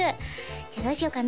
じゃあどうしようかな？